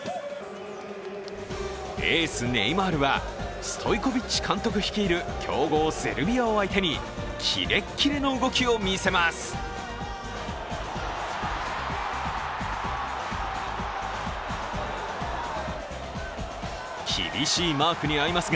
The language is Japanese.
エース・ネイマールはストイコビッチ監督率いる強豪セルビアを相手にキレッキレの動きを見せます。